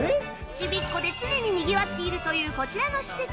ちびっ子で常ににぎわっているというこちらの施設